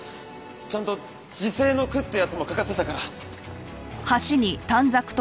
ちゃんと辞世の句ってやつも書かせたから。